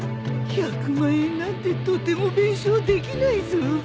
１００万円なんてとても弁償できないぞ